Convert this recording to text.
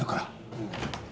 うん。